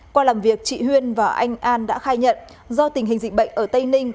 qua làm việc chị huyên và anh an đã khai nhận do tình hình dịch bệnh ở tây ninh